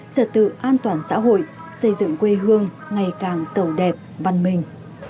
trật tự an toàn xã hội xây dựng quê hương ngày càng sầu đẹp văn minh